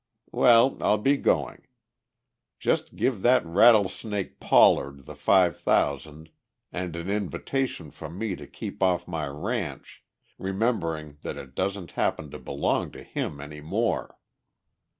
Well, I'll be going. Just give that rattlesnake Pollard the five thousand and an invitation from me to keep off my ranch, remembering that it doesn't happen to belong to him any more."